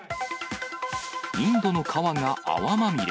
インドの川が泡まみれ。